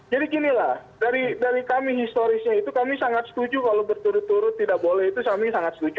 jadi ginilah dari kami historisnya itu kami sangat setuju kalau berturut turut tidak boleh itu kami sangat setuju